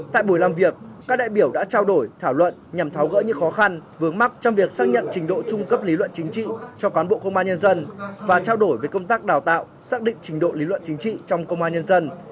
tại buổi làm việc các đại biểu đã trao đổi thảo luận nhằm tháo gỡ những khó khăn vướng mắt trong việc xác nhận trình độ trung cấp lý luận chính trị cho cán bộ công an nhân dân và trao đổi về công tác đào tạo xác định trình độ lý luận chính trị trong công an nhân dân